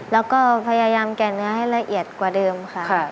แล้วก็พยายามแก่เนื้อให้ละเอียดกว่าเดิมค่ะ